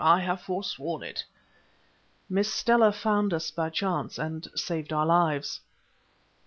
I have forsworn it." "Miss Stella found us by chance and saved our lives."